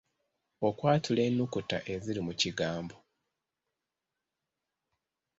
Okwatula ennukuta eziri mu kigambo